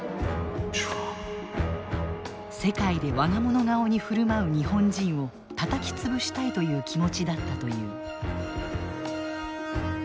世界で我が物顔に振る舞う日本人をたたき潰したいという気持ちだったという。